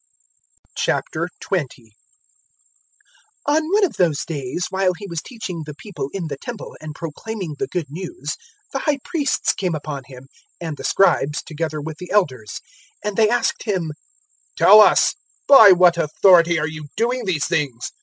020:001 On one of those days while He was teaching the people in the Temple and proclaiming the Good News, the High Priests came upon Him, and the Scribes, 020:002 together with the Elders, and they asked Him, "Tell us, By what authority are you doing these things?